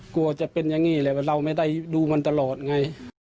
กลัวจะเป็นอย่างนี้แหละเราไม่ได้ดูมันตลอดไง